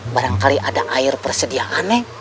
barangkali ada air persediaan min